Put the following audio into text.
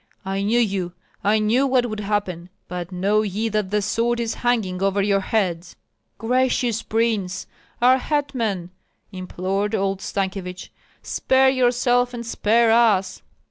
I knew you, I knew what would happen! But know ye that the sword is hanging over your heads!" "Gracious prince! our hetman!" implored old Stankyevich, "spare yourself and spare us!"